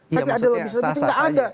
tapi ada lobis lobis itu tidak ada